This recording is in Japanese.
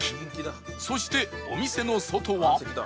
そしてお店の外は